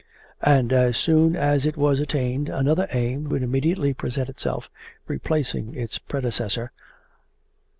And as soon as it was attained another aim would immediately present itself, replacing its predecessor.